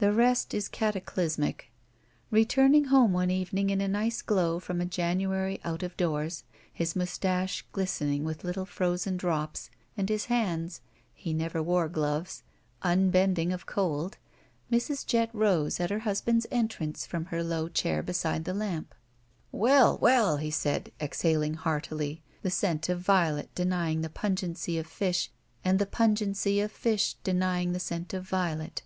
The rest is cataclysmic. Returning home one evening in a nice glow from a January out of doors, his mustache glistening with little frozen drops and his hands (he never wore gloves) unbending of cold, Mrs. Jett rose at her husband's entrance from her low chair beside the lamp. 14 203 GUILTY «i' tf 'Well, well!'' he said, exhaling heartily, the scent of violet denying the pungency of fish and the pungency of fish denying the scent of violet.